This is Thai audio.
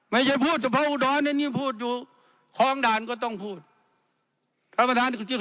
ไม่ใช่พูดเฉพาะอุดรอันนี้พูดอยู่คล้องด่านก็ต้องพูด